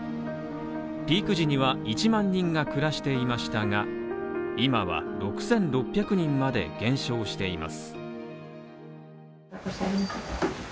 ピーク時には１万人が暮らしていましたが今は６６００人まで減少しています。